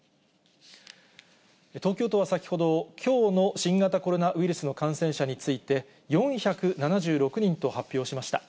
東京都は先ほど、きょうの新型コロナウイルスの感染者について、４７６人と発表しました。